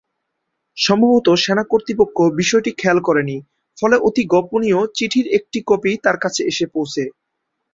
সম্ভবত সেনা কর্তৃপক্ষ বিষয়টি খেয়াল করেনি, ফলে অতি গোপনীয় চিঠির একটি কপি তার কাছে এসে পৌঁছে।